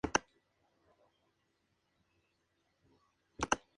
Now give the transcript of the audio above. Esta danza todavía es practicada hoy en día por algunos mineros.